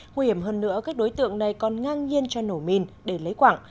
nguy hiểm hơn nữa các đối tượng này còn ngang nhiên cho nổ min để lấy quảng